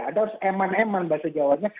ada harus eman eman bahasa jawanya